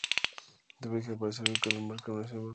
Está protegida ya que hace parte del Parque nacional Morrocoy.